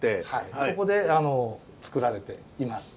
そこで造られています。